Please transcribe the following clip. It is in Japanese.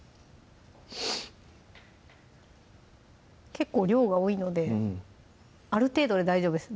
結構量が多いのである程度で大丈夫です